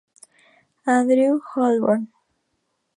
Andrew, Holborn.